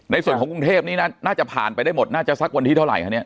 ในส่วนของกรุงเทพนี่น่าจะผ่านไปได้หมดน่าจะสักวันที่เท่าไหร่คะเนี่ย